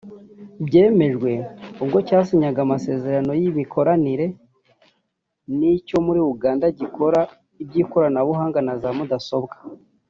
Byemejwe ubwo iki kigo cyasinyanaga amasezerano y’imikoranire n’icyo muri Uganda gikora iby’ikoranabuhanga na za Mudasobwa